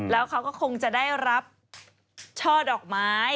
แล้วเขาก็คงจะได้รับช่อดอกไม้